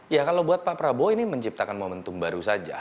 ya kalau buat pak prabowo ini menciptakan momentum baru saja